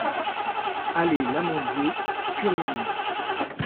Allée l'Amandier, Furiani